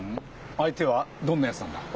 相手はどんなやつなんだ？